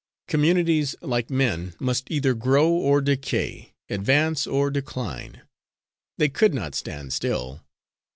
Communities, like men, must either grow or decay, advance or decline; they could not stand still.